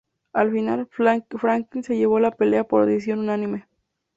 Al final, Franklin se llevó la pelea por decisión unánime.